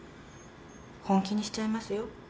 本気にしちゃいますよ。